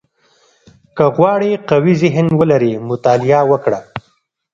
• که غواړې قوي ذهن ولرې، مطالعه وکړه.